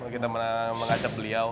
kita mengajak beliau